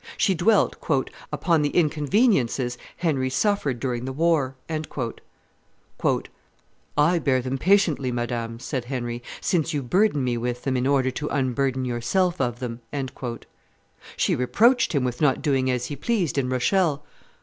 She dwelt "upon the inconveniences Henry suffered during the war." "I bear them patiently, madame," said Henry, "since you burden me with them in order to unburden yourself of them." She reproached him with not doing as he pleased in Rochelle.